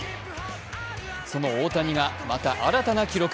その大谷が、また新たな記録。